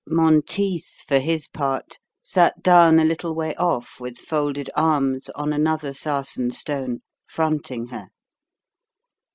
Monteith, for his part, sat down a little way off with folded arms on another sarsen stone, fronting her.